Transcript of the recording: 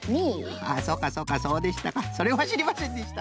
ああそうかそうかそうでしたかそれはしりませんでした。